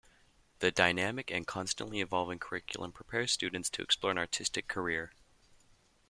The dynamic and constantly evolving curriculum prepares students to explore an artistic career.